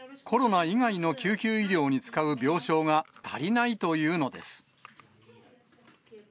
コロナ以外の救急医療に使う病床が足りないというのです。